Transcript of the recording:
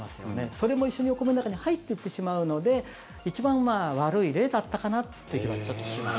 それも一緒にお米の中に入っていってしまうので一番悪い例だったかなという気はちょっとします。